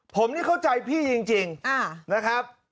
ผมนี่เข้าใจพี่จริงนะครับ